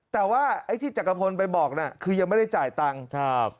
แต่ว่าที่จักรพลไปบอกคือยังไม่ได้จ่ายตังค์